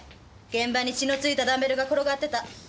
現場に血のついたダンベルが転がってた。